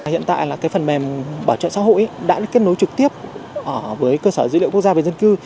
trực tiếp lên phần mềm không phải qua các bước quy trình nhiều